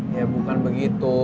ya bukan begitu